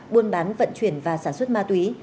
buôn bán vận chuyển và sản xuất ma túy